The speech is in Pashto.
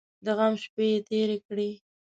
د غم شپې یې تېرې کړې.